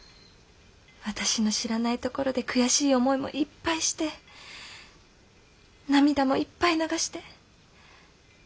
私の知らないところで悔しい思いもいっぱいして涙もいっぱい流して。